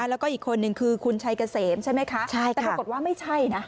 แล้วก็อีกคนนึงคือคุณชัยเกษมใช่ไหมคะใช่แต่ปรากฏว่าไม่ใช่นะ